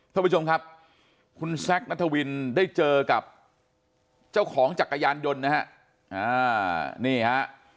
ท่านผู้ชมครับคุณแซคนัทวินได้เจอกับเจ้าของจักรยานยนต์นะฮะนี่ฮะ